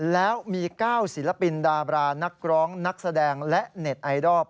แล้วมี๙ศิลปินดาบรานักร้องนักแสดงและเน็ตไอดอล